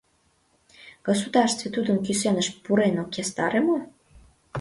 Государстве тудын кӱсеныш пурен ок ястаре мо?